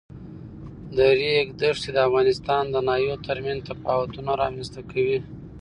د ریګ دښتې د افغانستان د ناحیو ترمنځ تفاوتونه رامنځ ته کوي.